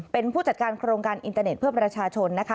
เป็นผู้จัดการโครงการอินเตอร์เน็ตเพื่อประชาชนนะคะ